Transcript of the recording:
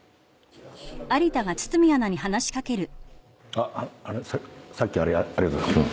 あっさっきあれありがとうございます。